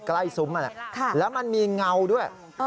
ใกล้ซุ้มอันนั้นและมันมีเงาด้วย